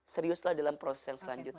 seriuslah dalam proses selanjutnya